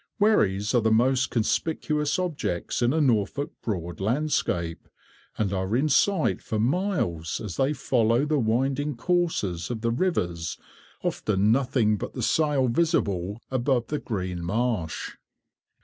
Wherries are the most conspicuous objects in a Norfolk broad landscape, and are in sight for miles, as they follow the winding courses of the rivers, often nothing but the sail visible above the green marsh.